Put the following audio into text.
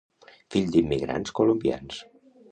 Fill d'immigrants colombians.